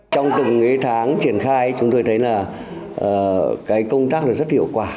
trong từng tháng triển khai chúng tôi thấy là cái công tác này rất hiệu quả